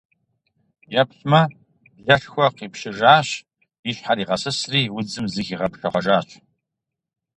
Еплъмэ - блэшхуэ къипщыжащ, и щхьэр игъэсысри, удзым зыхигъэпшэхъуэжащ.